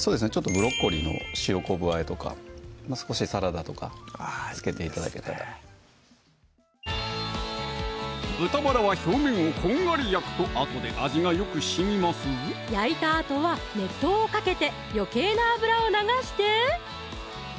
ブロッコリーの塩昆布和えとか少しサラダとか付けて頂けたら豚バラは表面をこんがり焼くとあとで味がよくしみますぞ焼いたあとは熱湯をかけてよけいな脂を流して！